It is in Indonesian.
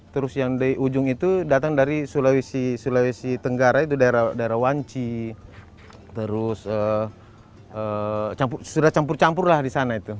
terus yang di ujung itu datang dari sulawesi sulawesi tenggara itu daerah daerah wanci terus sudah campur campur lah di sana itu